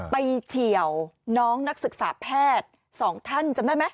เฉียวน้องนักศึกษาแพทย์สองท่านจำได้ไหม